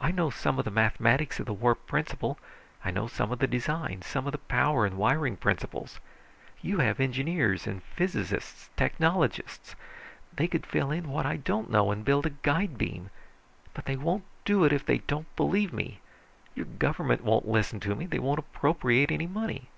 I know some of the mathematics of the warp principle, know some of the design, some of the power and wiring principles. You have engineers here, technologists, physicists. They could fill in what I don't know and build a guide beam. But they won't do it if they don't believe me. Your government won't listen to me, they won't appropriate any money."